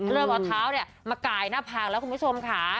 เริ่มเอาเท้าเนี่ยมากายหน้าผากแล้วคุณผู้ชมค่ะ